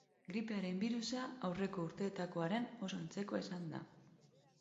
Gripearen birusa aurreko urteetakoaren oso antzekoa izango da.